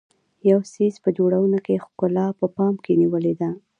د یو څیز په جوړونه کې ښکلا په پام کې نیولې ده.